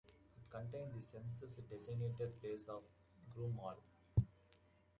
It contains the census designated place of Broomall.